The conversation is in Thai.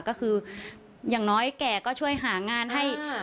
ก็คืออย่างน้อยแก่ก็ช่วยหางานให้